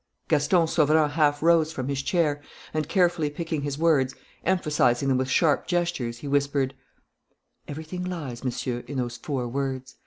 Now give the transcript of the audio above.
'" Gaston Sauverand half rose from his chair and, carefully picking his words, emphasizing them with sharp gestures, he whispered: "Everything lies, Monsieur, in those four words.